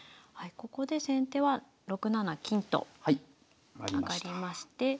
ここで先手は６七金と上がりまして。